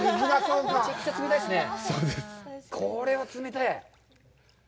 むちゃくちゃ冷たいですね。